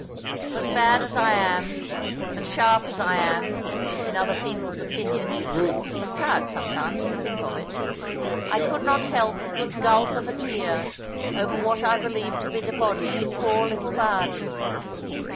But bad as I am, and sharp as I am, in other people's opinion (and proud sometimes to think of it), I could not help a good gulp of a tear, over what I believed to be the body of poor little Bardie.